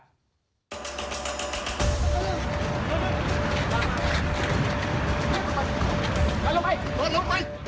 รวดลงรวดลงลงลงไปลุกไปลุกไป